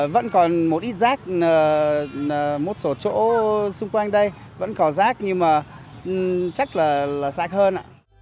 vẫn còn một ít rác một số chỗ xung quanh đây vẫn có rác nhưng chắc là sạc hơn